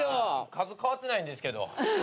数変わってないんですけど。